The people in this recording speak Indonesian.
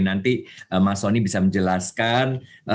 nanti mas soni bisa menjelaskan